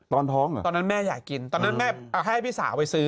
ตอนท้องเหรอตอนนั้นแม่อยากกินตอนนั้นแม่ให้พี่สาวไปซื้อ